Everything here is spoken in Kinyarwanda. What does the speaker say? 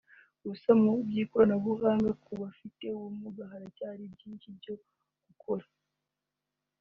Gusa mu by’ikoranabuhanga ku bafite ubumuga haracyari byinshi byo gukora